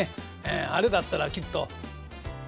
あれだったらきっと。